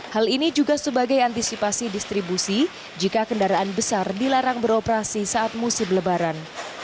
hal ini juga sebagai antisipasi distribusi jika kendaraan besar dilarang beroperasi saat musim lebaran